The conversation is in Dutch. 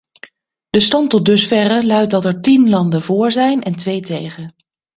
De stand tot dusverre luidt dat er tien landen vóór zijn en twee tegen.